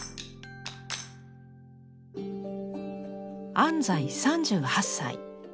安西３８歳。